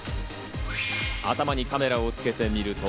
頭にカメラをつけてみると。